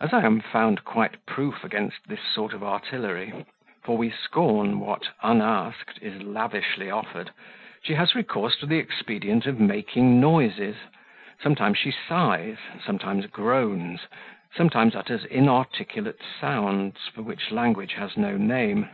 As I am found quite proof against this sort of artillery for we scorn what, unasked, is lavishly offered she has recourse to the expedient of making noises; sometimes she sighs, sometimes groans, sometimes utters inarticulate sounds, for which language has no name.